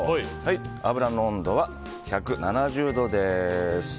油の温度は１７０度です。